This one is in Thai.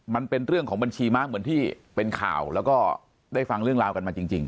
มันเป็นเรื่องของบัญชีม้าเหมือนที่เป็นข่าวแล้วก็ได้ฟังเรื่องราวกันมาจริง